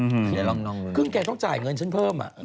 อือหือคุณแกต้องจ่ายเงินฉันเพิ่มอ่ะ